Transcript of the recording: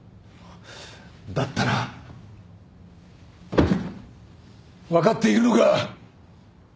だったら分かっているのか？